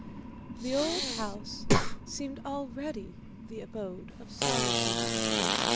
The old house seemed already the abode of Solitude.